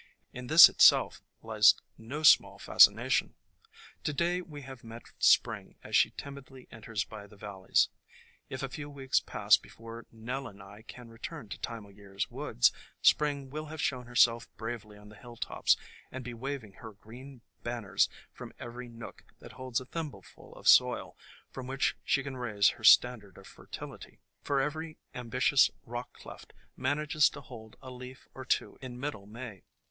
In this itself lies no small fascination. To day we have met Spring as she timidly enters by the valleys. If a few weeks pass before Nell and I can return to Time o' Year's woods, Spring will have shown herself bravely on the hilltops and be waving her green banners from every nook that holds a thimbleful of soil from which she can raise her standard of fertility; for every ambitious rock cleft manages to hold a leaf or two in middle May.